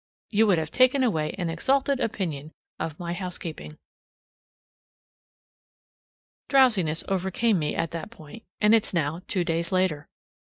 You would have taken away an exalted opinion of my housekeeping. Drowsiness overcame me at that point, and it's now two days later.